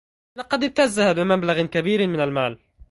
لقد ابتزّها بمبلغ كبير من المال.